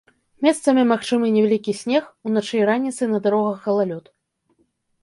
Месцамі магчымы невялікі снег, уначы і раніцай на дарогах галалёд.